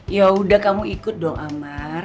yaudah kamu ikut dong amar